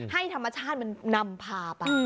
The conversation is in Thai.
ให้ธรรมชาติมันนำพาไป